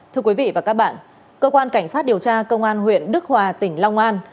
thưa quý vị và các bạn cơ quan cảnh sát điều tra công an huyện đức hòa tỉnh long an